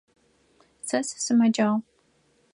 Сэ сысымэджагъ.